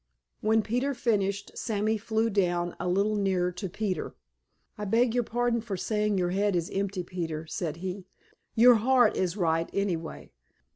When Peter finished, Sammy flew down a little nearer to Peter. "I beg your pardon for saying your head is empty, Peter," said he. "Your heart is right, anyway.